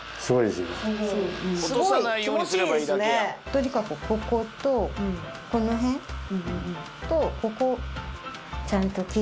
とにかくこことこの辺とここ。